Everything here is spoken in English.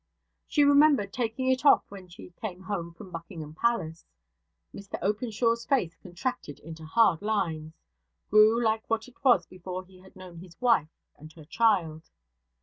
She remembered taking it off when she came home from Buckingham Palace. Mr Openshaw's face contracted into hard lines; grew like what it was before he had known his wife and her child.